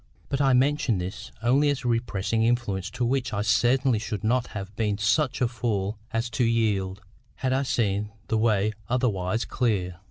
But I mention this only as a repressing influence, to which I certainly should not have been such a fool as to yield, had I seen the way otherwise clear.